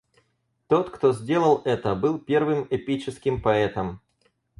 Тот, кто сделал это, был первым эпическим поэтом.